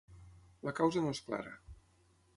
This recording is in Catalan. La causa no és clara.